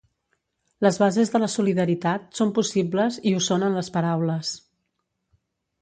Les bases de la solidaritat són possibles i ho són en les paraules.